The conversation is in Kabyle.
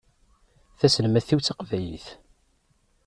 Taselmadt-iw d taqbaylit.